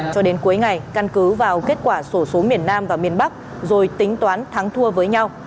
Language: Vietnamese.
cho đến cuối ngày căn cứ vào kết quả sổ số miền nam và miền bắc rồi tính toán thắng thua với nhau